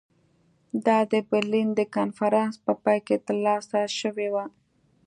دا د برلین د کنفرانس په پای کې ترلاسه شوې وه.